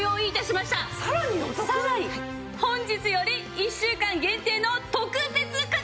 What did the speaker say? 本日より１週間限定の特別価格です！